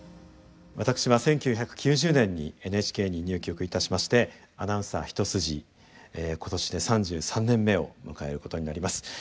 私は１９９０年にＮＨＫに入局いたしましてアナウンサー一筋今年で３３年目を迎えることになります。